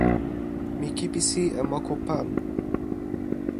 mi kipisi e moku pan.